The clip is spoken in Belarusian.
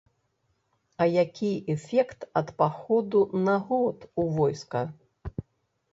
А які эфект ад паходу на год у войска?